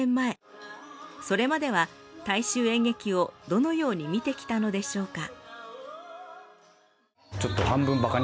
それまでは大衆演劇をどのように見てきたのでしょうか？